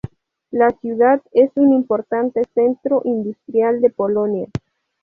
La ciudad es un importante centro industrial de Polonia.